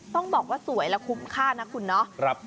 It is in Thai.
ต้องบอกว่าสวยและคุ้มค่านะคุณเนาะ